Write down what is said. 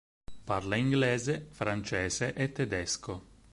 Parla inglese, francese e tedesco.